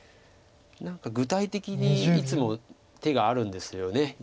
何か具体的にいつも手があるんですよね